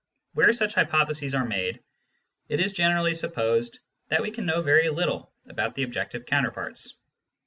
Where such hypotheses are made, it is generally supposed that we can know very little about the objective counterparts.